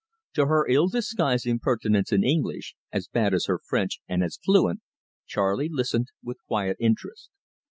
To her ill disguised impertinence in English, as bad as her French and as fluent, Charley listened with quiet interest.